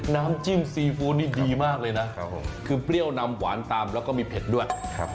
น้ำจิ้มซีฟู้ดนี่ดีมากเลยนะครับผมคือเปรี้ยวนำหวานตามแล้วก็มีเผ็ดด้วยครับ